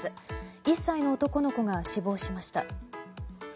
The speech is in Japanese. １歳の男の子が死亡しました。